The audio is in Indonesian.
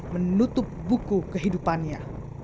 menutup buku kehidupannya